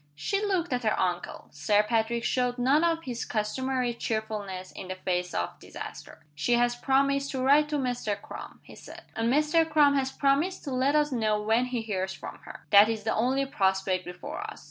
She looked at her uncle. Sir Patrick showed none of his customary cheerfulness in the face of disaster. "She has promised to write to Mr. Crum," he said. "And Mr. Crum has promised to let us know when he hears from her. That is the only prospect before us.